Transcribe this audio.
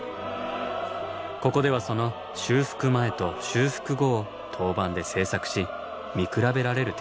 ここではその修復前と修復後を陶板で製作し見比べられる展示に。